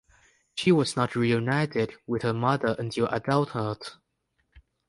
She was not reunited with her mother until adulthood.